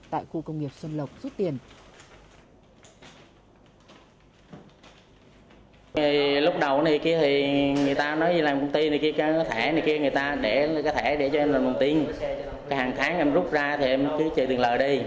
tại khu công nghiệp xuân lộc rút tiền